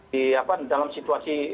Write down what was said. di dalam situasi